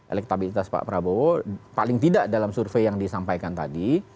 elektabilitas pak prabowo paling tidak dalam survei yang disampaikan tadi